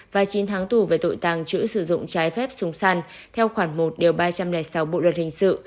và chín tháng tù về tội tàng trữ sử dụng trái phép súng săn theo khoảng một ba trăm linh sáu bộ luật hình sự